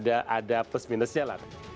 ada plus minusnya lah